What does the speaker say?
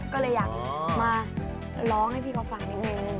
ก็เลยอยากมาร้องให้พี่เขาฝากหนึ่ง